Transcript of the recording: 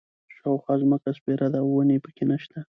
شاوخوا ځمکه سپېره ده او ونې په کې نه شته.